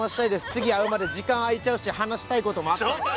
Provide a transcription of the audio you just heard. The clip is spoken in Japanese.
「次会うまで時間空いちゃうし話したいこともあったので」